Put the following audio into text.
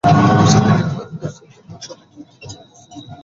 Website থেকে নকশাটি সরিয়ে নিতে আদেশ জারি করে মার্কিন স্বরাষ্ট্র মন্ত্রণালয়।